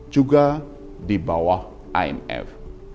juga di bawah imf